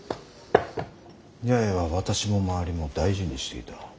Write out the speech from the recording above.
八重は私も周りも大事にしていた。